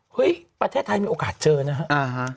เฮ้ยประเทศไทยมีโอกาสเจอนะครับ